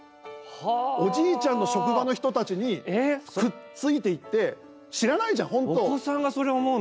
おじいちゃんの職場の人たちにくっついていって知らないじゃん、本当。